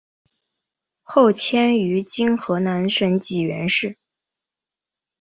后迁于今河南省济源市。